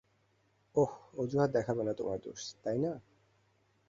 ওহ, অযুহাত দেখাবে না তোমার দোষ, তাই না?